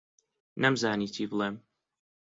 نەمزانی چی بڵێم.